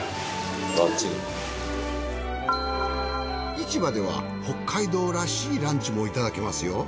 市場では北海道らしいランチもいただけますよ。